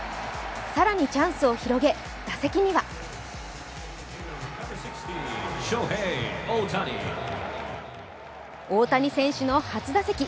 更にチャンスを広げ、打席には大谷選手の初打席。